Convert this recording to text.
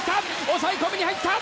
抑え込みに入った。